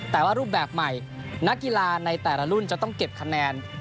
แต่ว่ารูปแบบใหม่นักกีฬาในแต่ละรุ่นจะต้องเก็บคะแนน